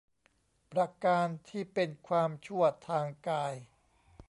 ประการที่เป็นความชั่วทางกาย